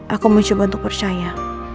aku mencoba untuk percaya